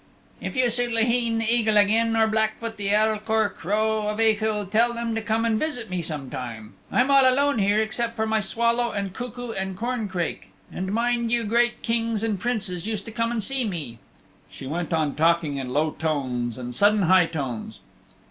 "If you see Laheen the Eagle again, or Blackfoot the Elk or the Crow of Achill tell them to come and visit me sometime. I'm all alone here except for my swallow and cuckoo and corncrake. And mind you, great Kings and Princes used to come to see me." So she went on talking in low tones and in sudden high tones.